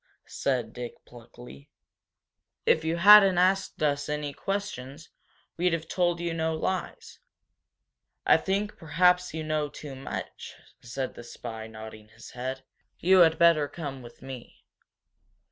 said Dick, pluckily. "If you hadn't asked us any questions, we'd have told you no lies." "I think perhaps you know too much," said the spy, nodding his head, "You had better come with me.